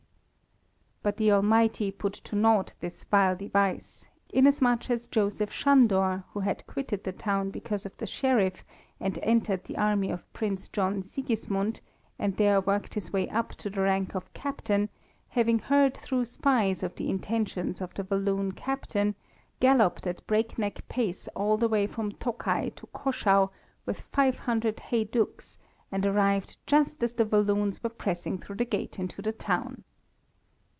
But the Almighty put to nought this vile device, inasmuch as Joseph Sándor, who had quitted the town because of the Sheriff, and entered the army of Prince John Sigismund, and there worked his way up to the rank of captain, having heard through spies of the intentions of the Walloon captain, galloped at breakneck pace all the way from Tokai to Caschau with five hundred heydukes, and arrived just as the Walloons were pressing through the gate into the town.